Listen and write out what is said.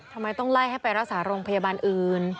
ทำไมต้องไล่ให้ไปรักษาโรงพยาบาลอื่น